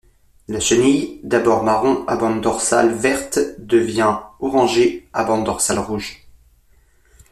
La chenille, d'abord marron à bande dorsale verte devient orangée à bande dorsale rouge.